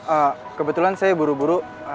ah kebetulan saya buru buru